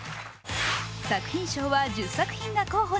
作品賞は１０作品が候補に。